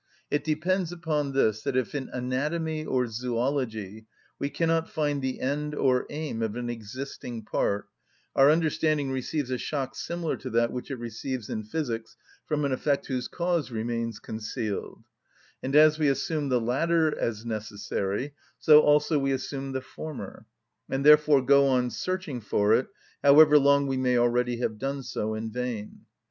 It depends upon this, that if in anatomy or zoology, we cannot find the end or aim of an existing part, our understanding receives a shock similar to that which it receives in physics from an effect whose cause remains concealed; and as we assume the latter as necessary, so also we assume the former, and therefore go on searching for it, however long we may already have done so in vain.